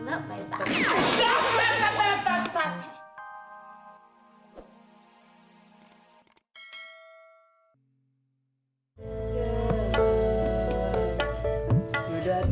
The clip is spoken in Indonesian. aduh enak banget